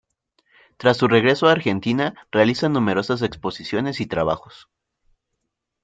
Tras su regreso a Argentina realiza numerosas exposiciones y trabajos.